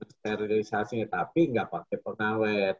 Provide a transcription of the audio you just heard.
sterilisasinya tapi enggak pakai pengawet